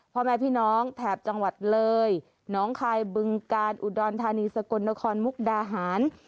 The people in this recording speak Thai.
พ่อแม่พี่น้องแถบจังหวัดเลยน้องคายบึงกาลอุดรธานีสกลนครมุกดาหาร